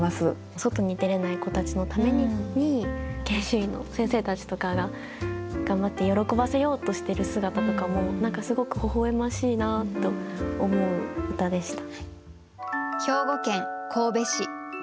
外に出れない子たちのために研修医の先生たちとかが頑張って喜ばせようとしている姿とかも何かすごくほほ笑ましいなと思う歌でした。